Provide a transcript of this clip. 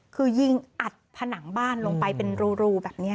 คือยิงอัดผนังบ้านลงไปเป็นรูแบบนี้